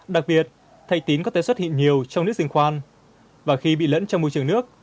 đặc biệt thạch tín có thể xuất hiện nhiều trong nước rừng khoan và khi bị lẫn trong môi trường nước